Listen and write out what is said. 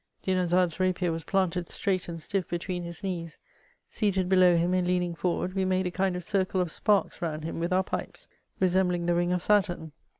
Dinarzade*s rapier was planted straight and stiff between his knees ; seated below him and leaning forward, we made a kind of circle of sparks round him with our pipes, resembling the ring of Saturn.